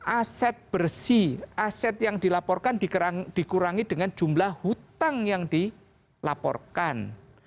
aset bersih aset yang dilaporkan dikurangi dengan jumlah hutang yang dilaporkan